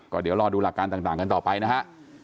ก็เดี๋ยวรอดูหลักการต่างกันต่อไปนะฮะ